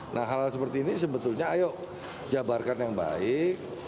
nah hal hal seperti ini sebetulnya ayo jabarkan yang baik